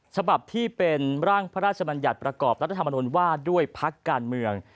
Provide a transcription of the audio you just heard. ฉบับที่เป็นร่างพระราชบัญญัติประกอบรัฐธรรมนุนว่าด้วยพักการเมือง